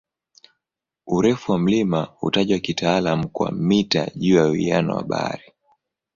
Urefu wa mlima hutajwa kitaalamu kwa "mita juu ya uwiano wa bahari".